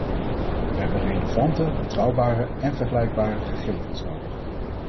We hebben relevante, betrouwbare en vergelijkbare gegevens nodig.